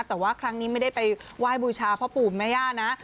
แต่ว่าครั้งนี้ไม่ได้ไปไหว้บูชาพ่อปู่แม่ย่านะ